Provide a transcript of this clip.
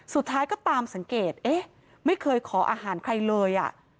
สุดท้ายก็ตามสังเกตเอ๊ะไม่เคยขออาหารใครเลย